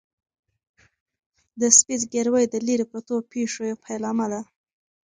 د سپي زګیروی د لیرې پرتو پېښو یو پیلامه ده.